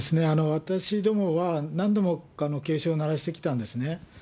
私どもは何度も警鐘を鳴らしてきたんですね。